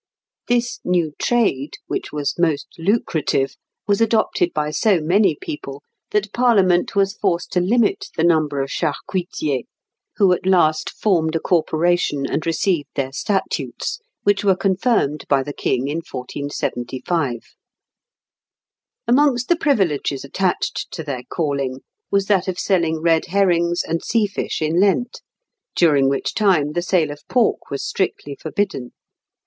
This new trade, which was most lucrative, was adopted by so many people that parliament was forced to limit the number of charcuitiers, who at last formed a corporation, and received their statutes, which were confirmed by the King in 1475. Amongst the privileges attached to their calling was that of selling red herrings and sea fish in Lent, during which time the sale of pork was strictly forbidden.